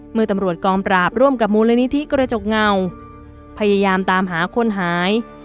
เมื่อตำรวจกองปราบร่วมกับมูลนิธิกระจกเงาพยายามตามหาคนหาย